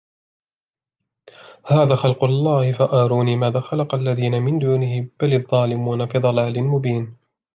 هَذَا خَلْقُ اللَّهِ فَأَرُونِي مَاذَا خَلَقَ الَّذِينَ مِنْ دُونِهِ بَلِ الظَّالِمُونَ فِي ضَلَالٍ مُبِينٍ